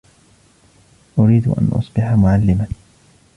أريد أن أصبح معلما.